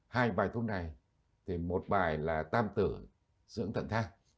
hai bài thuốc này thì một bài là tam tử dưỡng thận thang